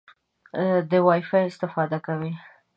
د وای فای استفاده کوئ؟